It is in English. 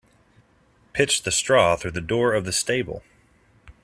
Pitch the straw through the door of the stable.